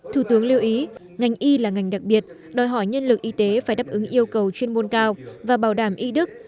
thủ tướng lưu ý ngành y là ngành đặc biệt đòi hỏi nhân lực y tế phải đáp ứng yêu cầu chuyên môn cao và bảo đảm y đức